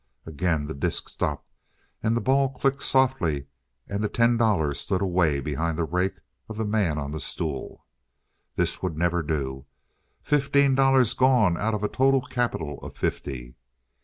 Again the disk stopped, and the ball clicked softly and the ten dollars slid away behind the rake of the man on the stool. This would never do! Fifteen dollars gone out of a total capital of fifty!